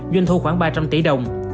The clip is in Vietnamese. doanh thu khoảng ba trăm linh tỷ đồng